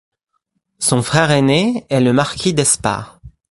Son frère aîné est le marquis d'Espard.